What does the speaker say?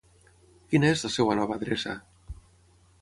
Quina és la seva nova adreça?